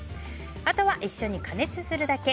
あとは一緒に加熱するだけ。